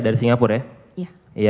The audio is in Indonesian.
dari singapura ya iya